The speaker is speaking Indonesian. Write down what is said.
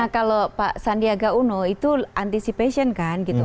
nah kalau pak sandi agak uno itu anticipation kan gitu